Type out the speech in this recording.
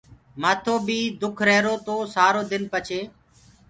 مآٿو بيٚ دُک ريهرو تو سآرو دن پڇي